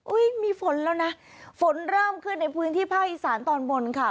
มีฝนแล้วนะฝนเริ่มขึ้นในพื้นที่ภาคอีสานตอนบนค่ะ